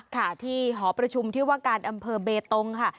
ค่ะที่หอประชุมที่ว่าการอำเภอเบตงค่ะ